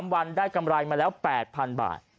วันได้กำไรมาแล้ว๘๐๐๐บาท